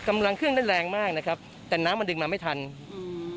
กำลังเครื่องได้แรงมากนะครับแต่น้ำมันดึงมาไม่ทันอืม